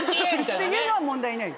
っていうのは問題ない？